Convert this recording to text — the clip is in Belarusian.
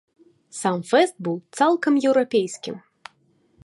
Сам фэст быў цалкам еўрапейскім.